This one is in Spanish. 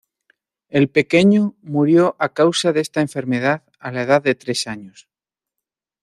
El pequeño murió a causa de esta enfermedad a la edad de tres años.